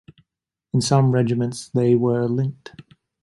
In some regiments they were linked.